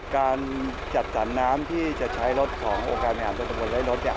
การจัดสรรน้ำที่จะใช้รถของโอกาสแมงอำเภอตำบลไล่รถ